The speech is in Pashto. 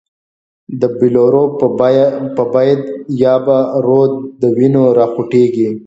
د بلورو په بید یا به، رود د وینو را خوټیږی